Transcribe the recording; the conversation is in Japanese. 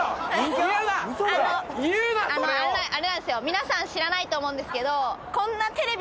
皆さん知らないと思うんですけど。